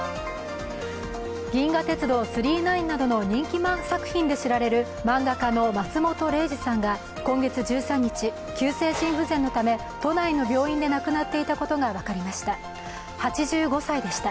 「銀河鉄道９９９」などの人気作品で知られる漫画家の松本零士さんが今月１３日、急性心不全のため、都内の病院で亡くなっていたことが分かりました。